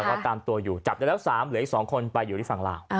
ว่าตามตัวอยู่จับได้แล้ว๓เหลืออีก๒คนไปอยู่ที่ฝั่งลาว